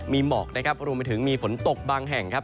มีหมอกนะครับรวมไปถึงมีฝนตกบางแห่งครับ